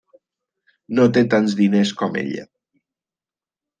No té tants diners com ella.